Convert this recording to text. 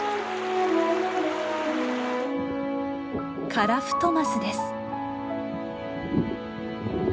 カラフトマスです。